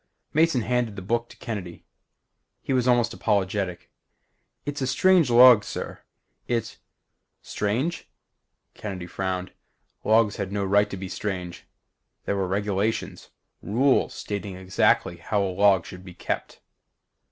Mason handed the book to Kennedy. He was almost apologetic. "It's a strange log, sir, It " "Strange?" Kennedy frowned. Logs had no right to be strange. There were regulations rules stating exactly how a log should be kept.